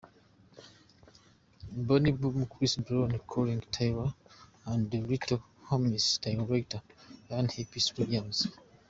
Benny Boom Chris Brown Colin Tilley & The Little Homies Director X Hype Williams.